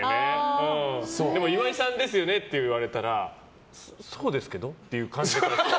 でも、岩井さんですよねって言われたらそうですけど？ってい感じで。